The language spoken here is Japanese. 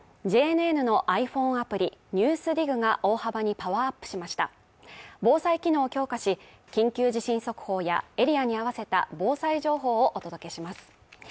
ＪＮＮのｉＰｈｏｎｅアプリ「ＮＥＷＳＤＩＧ」が大幅にパワーアップしました防災機能を強化し緊急地震速報やエリアに合わせた防災情報をお届けします